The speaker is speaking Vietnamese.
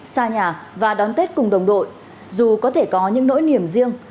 xa nhà và đón tết cùng đồng đội dù có thể có những nỗi niềm riêng